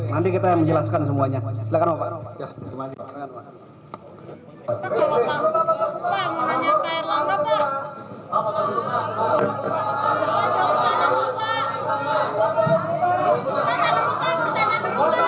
nanti kita menjelaskan semuanya